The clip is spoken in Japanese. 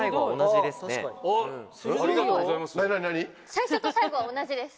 最初と最後は同じです。